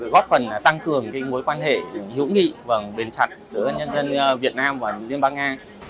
góp phần tăng cường mối quan hệ hữu nghị bền chặt giữa nhân dân việt nam và liên bang nga